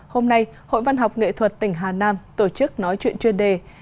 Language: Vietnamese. hôm nay hội văn học nghệ thuật tỉnh hà nam tổ chức nói chuyện chuyên đề